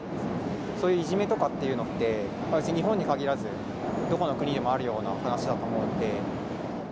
そういういじめとかっていうのって、日本に限らず、どこの国でもあるような話だと思うんで。